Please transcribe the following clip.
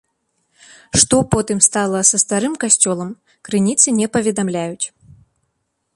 Што потым стала со старым касцёлам, крыніцы не паведамляюць.